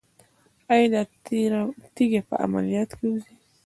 ایا دا تیږه په عملیات وځي؟